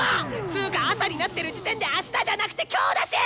つーか朝になってる時点であしたじゃなくて今日だし！